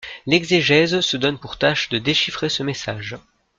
L'exégèse se donne pour tâche de déchiffrer ce message.